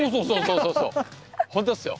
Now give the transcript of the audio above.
そうそう本当ですよ。